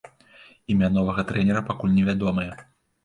Імя новага трэнера пакуль невядомае.